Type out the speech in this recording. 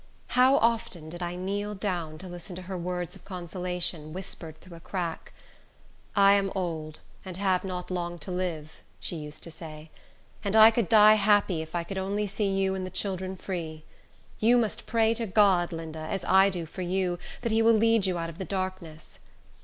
How often did I kneel down to listen to her words of consolation, whispered through a crack! "I am old, and have not long to live," she used to say; "and I could die happy if I could only see you and the children free. You must pray to God, Linda, as I do for you, that he will lead you out of this darkness."